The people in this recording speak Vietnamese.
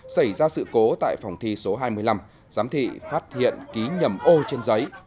xảy ra sự cố tại phòng thi số hai mươi năm giám thị phát hiện ký nhầm ô trên giấy